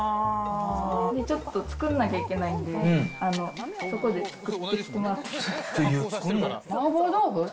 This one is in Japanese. ちょっと作んなきゃいけないんで、そこで作ってきてもらえます？